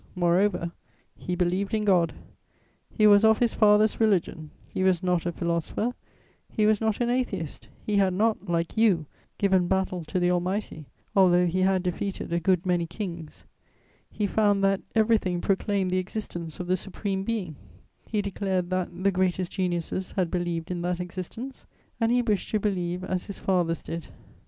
Moreover, he "believed in God;" he "was of his father's religion;" he was not a "philosopher;" he was not an "atheist;" he had not, like you, given battle to the Almighty, although he had defeated a good many kings; he found that "everything proclaimed the existence" of the Supreme Being; he declared that "the greatest geniuses had believed in that existence," and he wished to believe as his fathers did.